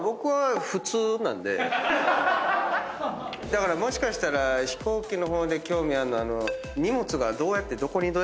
だからもしかしたら飛行機の方で興味あるのは。